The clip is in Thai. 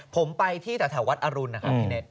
ผมไปที่แถววัดอรุณนะครับพี่เน็ต